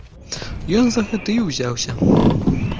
Ён за гэта і ўзяўся.